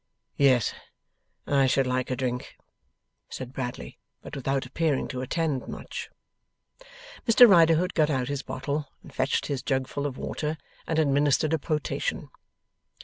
'Yes. I should like a drink,' said Bradley; but without appearing to attend much. Mr Riderhood got out his bottle, and fetched his jug full of water, and administered a potation.